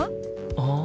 ああ。